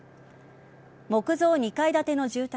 木造２階建ての住宅